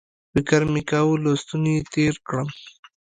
فکر مې کاوه له ستوني یې تېر کړم